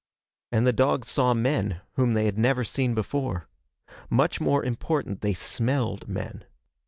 And the dogs saw men, whom they had never seen before. Much more important, they smelled men.